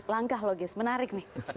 langkah logis menarik nih